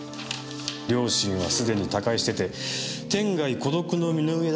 両親はすでに他界してて天涯孤独の身の上だったようですし。